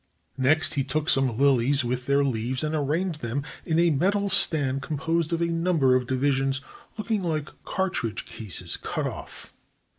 Next he took some lilies with their leaves, and arranged them in a metal stand composed of a munber of divisions looking like cartridge cases cut off.